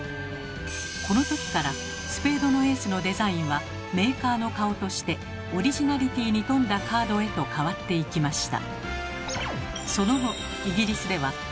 このときからスペードのエースのデザインはメーカーの顔としてオリジナリティーに富んだカードへと変わっていきました。